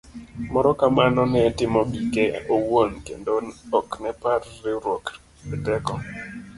Moro kamoro ne timo gike owuon kendo ok nepar ni riwruok e teko.